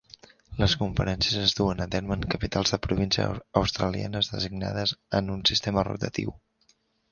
Les conferències es duen a terme en capitals de província australianes designades en un sistema rotatiu.